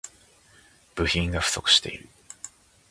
部品が不足している